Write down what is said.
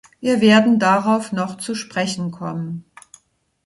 Wir werden darauf noch zu sprechen kommen.